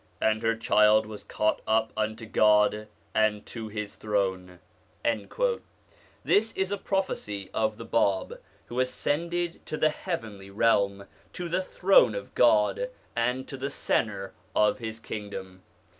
'And her child was caught up unto God, and to His throne/ This is a prophecy of the Bab, who ascended to the heavenly realm, to the Throne of God, and to the centre of His Kingdom.